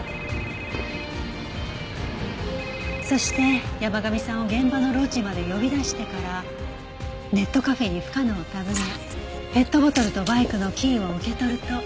そして山神さんを現場のロッジまで呼び出してからネットカフェに深野を訪ねペットボトルとバイクのキーを受け取ると。